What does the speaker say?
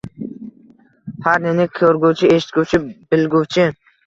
har neni ko'rguvchi, eshitguvchi, bilguvchi